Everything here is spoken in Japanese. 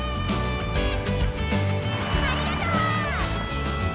ありがとう！